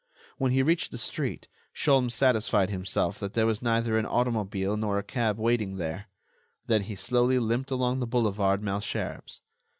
When he reached the street Sholmes satisfied himself that there was neither an automobile nor a cab waiting there; then he slowly limped along the boulevard Malesherbes.